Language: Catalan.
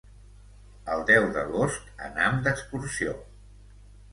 El deu d'agost anam d'excursió.